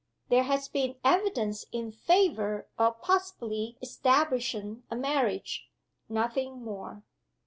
There has been evidence in favor of possibly establishing a marriage nothing more."